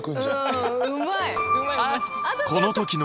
うんうまい！